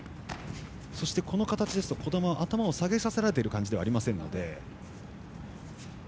そして、この形ですと児玉は頭を下げさせられている形ではありませんので。